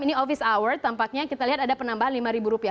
ini office hour tampaknya kita lihat ada penambahan lima ribu rupiah